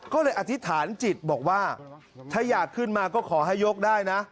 ก็เลยอธิษฐานจิตบอกว่าถ้าอยากขึ้นมาก็ขอให้ยกได้นะ